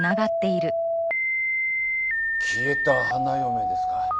消えた花嫁ですか。